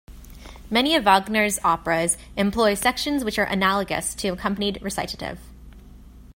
Many of Wagner's operas employ sections which are analogous to accompanied recitative.